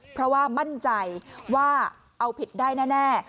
เพราะว่ามั่นใจว่าเอาผิดได้แน่